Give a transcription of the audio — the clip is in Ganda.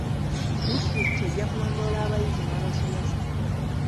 Disitulikiti ejja kulondoola abayizi n'abasomesa.